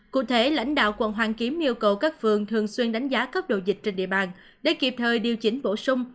cụ thể lãnh đạo quận hoàn kiếm yêu cầu các phường thường xuyên đánh giá cấp độ dịch trên địa bàn để kịp thời điều chỉnh bổ sung